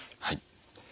はい。